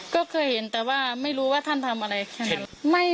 ก็เคยเห็นแต่ว่าไม่รู้ว่าท่านทำอะไรแค่นั้น